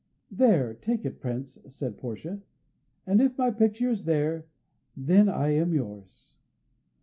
"There, take it, Prince," said Portia, "and if my picture is there, then I am yours."